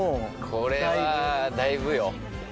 これはだいぶよ。